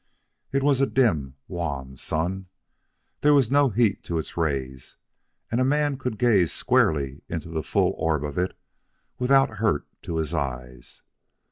It was a dim, wan sun. There was no heat to its rays, and a man could gaze squarely into the full orb of it without hurt to his eyes.